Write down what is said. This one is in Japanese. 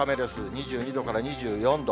２２度から２４度。